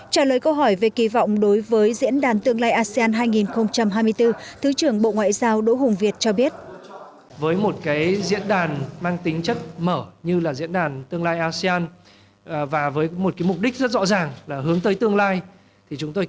trả lời câu hỏi về kỳ vọng đối với diễn đàn tương lai asean hai nghìn hai mươi bốn thứ trưởng bộ ngoại giao đỗ hùng việt cho biết